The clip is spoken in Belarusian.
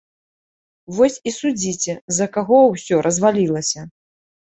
Вось і судзіце, з-за каго ўсё развалілася.